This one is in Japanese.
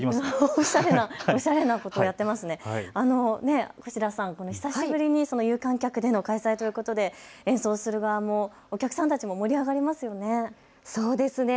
越田さん、久しぶりに有観客での開催ということで演奏する側もお客さんたちも盛り上がりますよね。